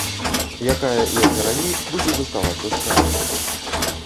Якая, як і раней, будзе заставацца з краю.